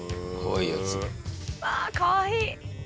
わあかわいい。